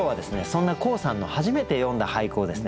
そんな黄さんの初めて詠んだ俳句をですね